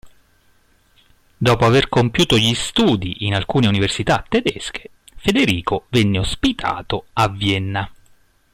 Dopo aver compiuto gli studi in alcune università tedesche, Federico venne ospitato a Vienna.